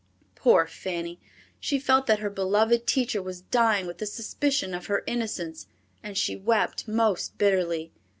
Poor Fanny! She felt that her beloved teacher was dying with a suspicion of her innocence, and she wept most bitterly.